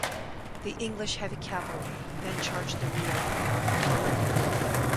The English heavy cavalry then charged the rear of the army.